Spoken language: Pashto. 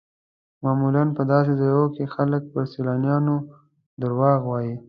معمولا په داسې ځایونو کې خلک پر سیلانیانو دروغ وایي.